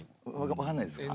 わかんないですか。